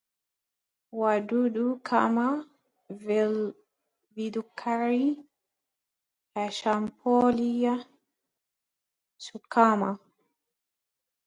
wadudu kama vile vidukari hushambulia sukuma